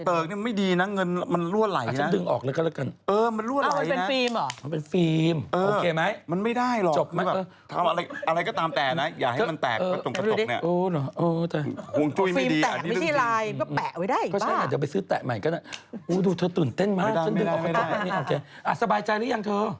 ทำแต่นะอย่าให้มันแตกกระตุกเนี่ย